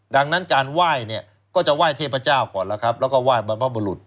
ดังนั้นจารย์ไหว้ก็จะไหว้เทพเจ้าก่อนแล้วก็ไหว้บรรพบุรุษ